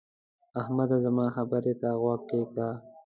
احمده! زما خبرې ته غوږ کېږده.